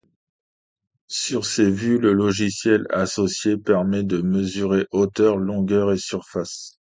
Sur ces vues, le logiciel associé permet de mesurer hauteurs, longueurs et surfaces.